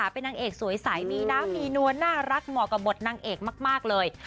เป็นนางเอกสวยใสมีน้ำมีนวลน่ารักเหมาะกับบทนางเอกมากเลย